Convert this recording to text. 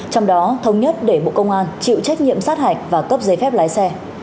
trong đó thống nhất để bộ công an chịu trách nhiệm sát hạch và cấp giấy phép lái xe